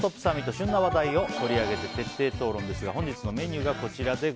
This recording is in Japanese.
旬な話題取り上げて徹底討論ですが本日のメニューはこちら。